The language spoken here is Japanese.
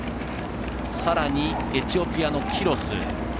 さらに、エチオピアのキロス。